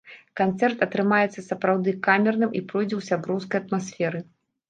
Канцэрт атрымаецца сапраўды камерным і пройдзе ў сяброўскай атмасферы.